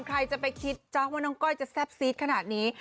ใครจะไปคิดจ๊ะว่าน้องก้อยจะแซ่บซีดขนาดนี้